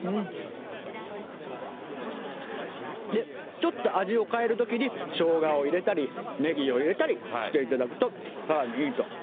ちょっと味を変えるときに、ショウガを入れたり、ネギを入れたりしていただくと、さらにいいと。